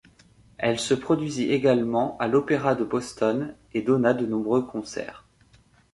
Elle se produisit également à l'Opéra de Boston et donna de nombreux concerts.